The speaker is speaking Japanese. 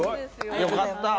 よかったぁ。